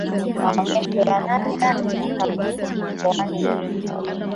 Maonyesho ya Nane nane yakabindi Mkoani Simiyu